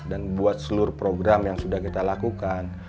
dan buat seluruh program yang sudah kita lakukan